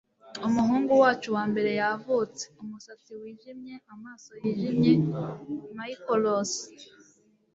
umuhungu wacu wambere yavutse, umusatsi wijimye, amaso yijimye, michael ross